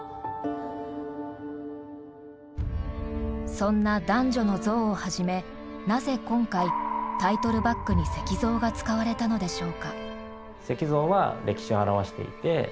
そんな男女の像をはじめなぜ今回タイトルバックに石像が使われたのでしょうか。